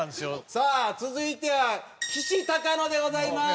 さあ続いてはきしたかのでございます。